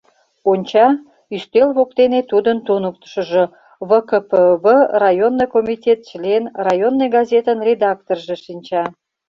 Онча — ӱстел воктене тудын туныктышыжо, ВКПб районный комитет член, районный газетын редакторжо, шинча.